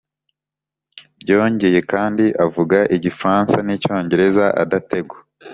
byongeye kandi avuga igifaransa n'icyongereza adategwa